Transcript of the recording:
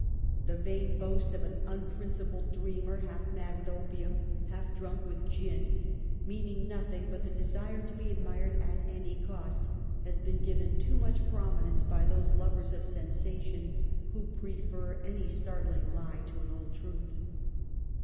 The vain ♦ WUTHERING HEIGHTS: 219 boast of an unprincipled dreamer, half mad with opium, half drunk with gin, meaning nothing but the desire to be admired at any cost, has been given too much prominence by those lovers of sensation who prefer any startling lie to an old truth.